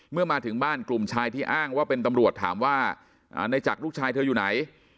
เมื่อมาถึงบ้านกลุ่มชายที่อ้างว่าเป็นตำรวจถามว่าในจักรลูกชายเธออยู่ไหน